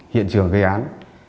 hiện trường gây án